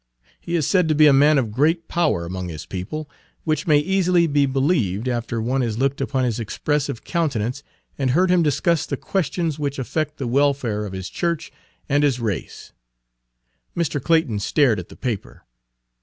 He is said to be a man of great power among his people, which may easily be believed after one has looked upon his expressive countenance and heard him discuss the questions which affect the welfare of his church and his race." Page 127 Mr. Clayton stared at the paper.